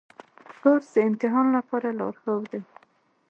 کورس د امتحان لپاره لارښود دی.